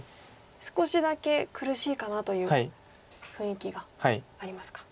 少しだけ苦しいかなという雰囲気がありますか。